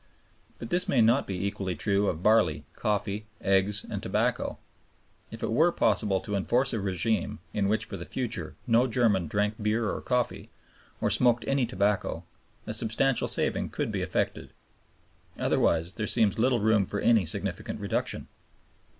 But this may not be equally true of barley, coffee, eggs, and tobacco. If it were possible to enforce a rÈgime in which for the future no German drank beer or coffee, or smoked any tobacco, a substantial saving could be effected. Otherwise there seems little room for any significant reduction.